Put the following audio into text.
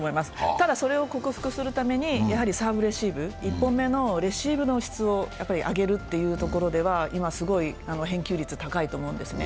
ただ、それを克服するためにサーブレシーブ、１本のレシーブの質を今上げるというところでは今、すごく返球率、高いと思うんですね。